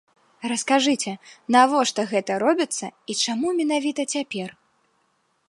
Раскажыце, навошта гэта робіцца і чаму менавіта цяпер?